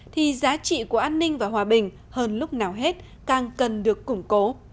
thì giá trị của an ninh và hòa bình hơn lúc nào hết càng cần được củng cố